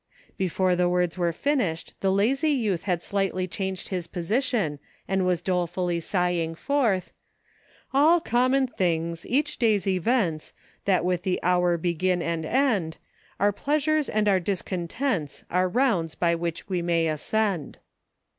Before the words were finished, the lazy youth had slightly changed his position, and was dole fully sighing forth : All common things, each day's events. That with the hour begin and end, Our pleasures and our discontents, Are rounds by which we may ascend.